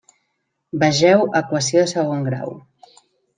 Vegeu Equació de segon grau.